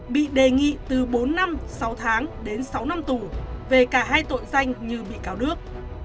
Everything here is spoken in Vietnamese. bị đề nghị từ bốn năm sáu tháng đến sáu năm tù về cả hai tội danh như bị cáo đức